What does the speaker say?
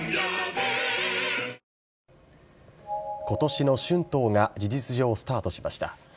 ことしの春闘が事実上スタートしました。